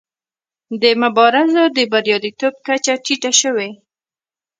د مبارزو د بریالیتوب کچه ټیټه شوې.